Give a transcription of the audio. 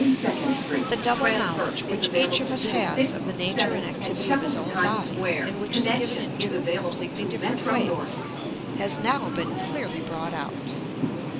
The double knowledge which each of us has of the nature and activity of his own body, and which is given in two completely different ways, has now been clearly brought out.